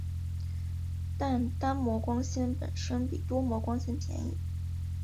但单模光纤本身比多模光纤便宜。